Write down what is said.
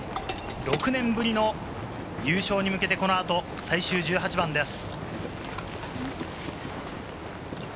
６年ぶりの優勝に向けて、この後、最終１８番です。